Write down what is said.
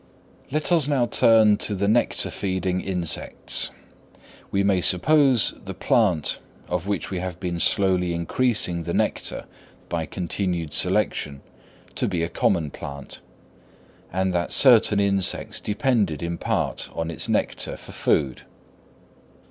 Let us now turn to the nectar feeding insects; we may suppose the plant of which we have been slowly increasing the nectar by continued selection, to be a common plant; and that certain insects depended in main part on its nectar for food.